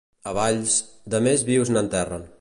A Valls, de més vius n'enterren.